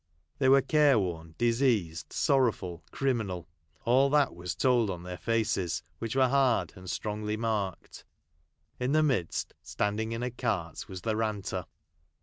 They were care worn, diseased, sorrowful, criminal ; all that was told on their faces, which were hard, and strongly marked. In the midst, standing in a cart, was the ranter.